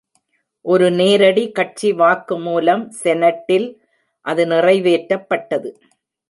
ஒரு நேரடி கட்சி வாக்கு மூலம் செனட்டில் அது நிறைவேற்றப்பட்டது.